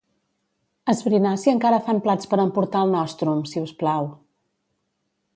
Esbrinar si encara fan plats per emportar al Nostrum, si us plau.